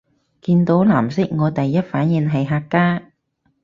見到藍色我第一反應係客家